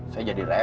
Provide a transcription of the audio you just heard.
saya jadi raksasa